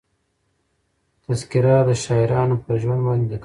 تذکره د شاعرانو پر ژوند باندي لیکل کېږي.